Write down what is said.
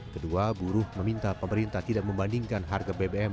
kedua buruh meminta pemerintah tidak membandingkan harga bbm